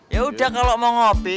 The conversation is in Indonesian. ya udah kalau mau ngopi